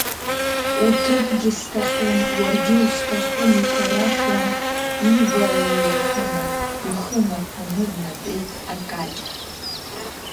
Уҭыԥгьы сҭахым, уаргьы усҭахым иҳәарашәа, ивара еирханы, ихы нарҟәны днатәеит Акакь.